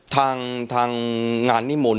ทางงานนิมนต์